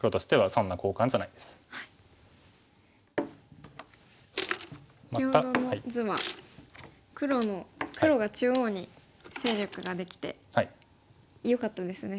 先ほどの図は黒が中央に勢力ができてよかったですね。